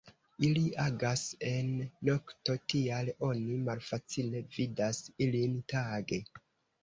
Ili agas en nokto, tial oni malfacile vidas ilin tage.